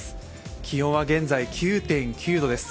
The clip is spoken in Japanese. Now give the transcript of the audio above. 気温は現在、９．９度です。